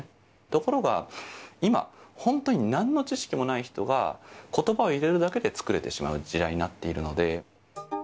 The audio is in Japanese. ところが、今、本当になんの知識もない人が、ことばを入れるだけで作れてしまう時代になっているので。